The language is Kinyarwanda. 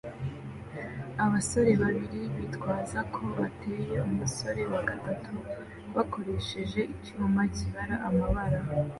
Abasore babiri bitwaza ko bateye umusore wa gatatu bakoresheje icyuma kibara amabara